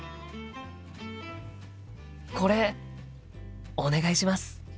これお願いします。